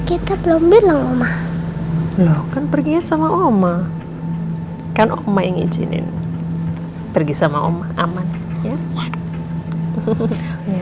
kita belum bilang loh kan pergi sama omah kan omah yang izinin pergi sama omah aman ya